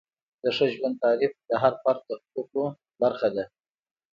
د ښه ژوند تعریف د هر فرد د حقوقو برخه ده.